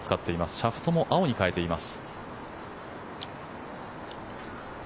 シャフトも青に変えています。